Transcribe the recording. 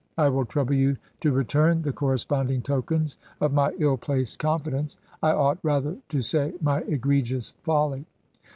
I will trouble you to return the corresponding tokens of my ill placed confidence— I ought rather to say my egregious folly.'